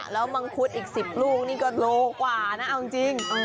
แล้วมังคุดอีก๑๐ลูกนี่ก็โลกว่านะเอาจริง